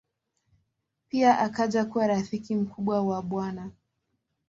Pia akaja kuwa rafiki mkubwa wa Bw.